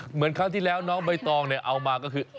เหมือนครั้งที่แล้วน้องใบตองเนี่ยเอามาก็คือ